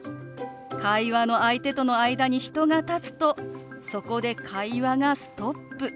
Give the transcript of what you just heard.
会話の相手との間に人が立つとそこで会話がストップ。